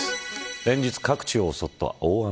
連日各地を襲った大雨。